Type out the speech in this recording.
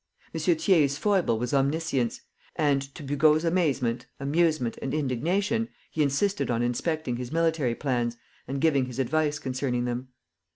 M. Thiers' foible was omniscience; and to Bugeaud's amazement, amusement, and indignation he insisted on inspecting his military plans and giving his advice concerning them.